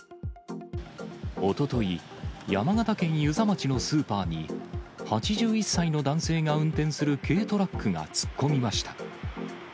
おととい、山形県遊佐町のスーパーに、８１歳の男性が運転する軽トラックが突っ込みました。